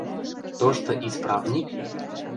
Тошты исправник?